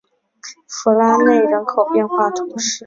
弗拉内人口变化图示